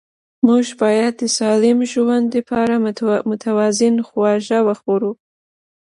موږ باید د سالم ژوند لپاره متوازن خواړه وخورو